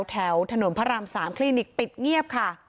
แถวถนนพระราม๓คลินิกปิดเงียบค่ะ